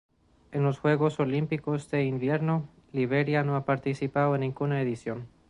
En los Juegos Olímpicos de Invierno Liberia no ha participado en ninguna edición.